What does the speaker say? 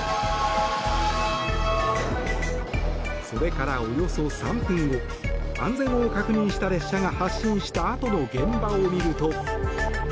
それからおよそ３分後安全を確認した列車が発進したあとの現場を見ると。